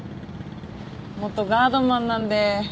元ガードマンなんで。